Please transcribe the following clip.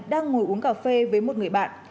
đang ngồi uống cà phê với một người bạn